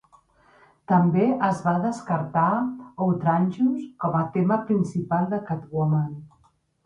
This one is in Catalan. També es va descartar "Outrageous" com a tema principal de 'Catwoman'.